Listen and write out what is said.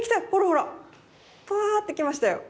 ほらパーッてきましたよ。